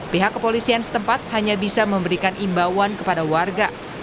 pihak kepolisian setempat hanya bisa memberikan imbauan kepada warga